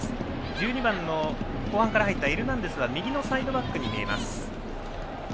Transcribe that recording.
１２番の後半から入ったエルナンデスは右のサイドバックに見えます。